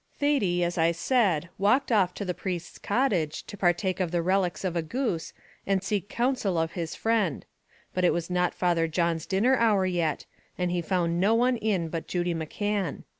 Thady, as I said, walked off to the priest's cottage, to partake of the relics of a goose, and seek counsel of his friend; but it was not Father John's dinner hour yet, and he found no one in but Judy McCan.